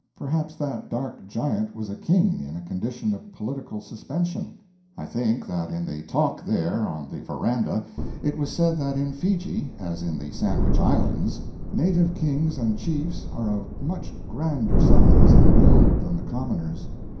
Perhaps that dark giant was a king in a condition of political suspension. I think that in the talk there on the veranda it was said that in Fiji, as in the Sandwich Islands, native kings and chiefs are of much grander size and build than the commoners.